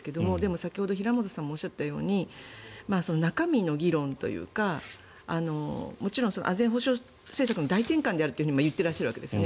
先ほど平元さんもおっしゃったように中身の議論というかもちろん安全保障政策の大転換であると言っているわけですね。